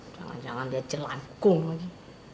jangan jangan dia jelan kum lagi